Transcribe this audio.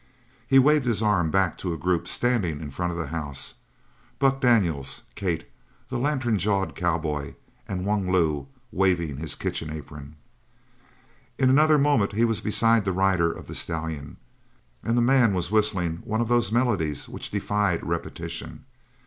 He waved his arm back to a group standing in front of the house Buck Daniels, Kate, the lantern jawed cowboy, and Wung Lu waving his kitchen apron. In another moment he was beside the rider of the stallion, and the man was whistling one of those melodies which defied repetition.